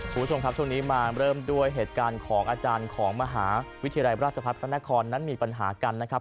คุณผู้ชมครับช่วงนี้มาเริ่มด้วยเหตุการณ์ของอาจารย์ของมหาวิทยาลัยราชพัฒน์พระนครนั้นมีปัญหากันนะครับ